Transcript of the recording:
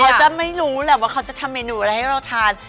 เขาจะไม่รู้แหละว่าเขาจะทำเมนูอะไรให้เราทาน